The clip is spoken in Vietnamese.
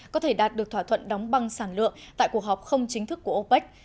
có thể đạt được thỏa thuận đóng băng sản lượng tại cuộc họp không chính thức của opec